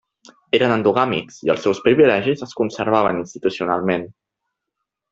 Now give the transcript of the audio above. Eren endogàmics i els seus privilegis es conservaven institucionalment.